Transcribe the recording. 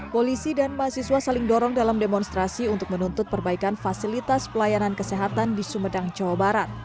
polisi dan mahasiswa saling dorong dalam demonstrasi untuk menuntut perbaikan fasilitas pelayanan kesehatan di sumedang jawa barat